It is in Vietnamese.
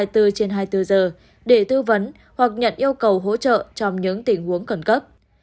hai mươi bốn trên hai mươi bốn giờ để tư vấn hoặc nhận yêu cầu hỗ trợ trong những tình huống khẩn cấp